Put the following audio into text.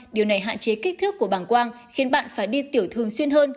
điều này hạn chế kích thước của bàng quang khiến bạn phải đi tiểu thường xuyên hơn